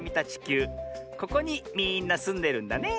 ここにみんなすんでるんだね。